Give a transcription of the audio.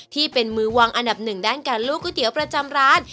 ที่เป็นมือวางอันดับหนึ่งด้านการลูกก๋วยเตี๋ยวประจำร้าน